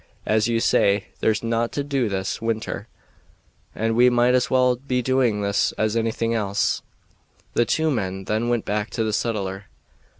As you say, there's naught to do this winter, and we might as well be doing this as anything else." The two men then went back to the settler.